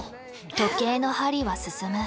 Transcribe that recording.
時計の針は進む。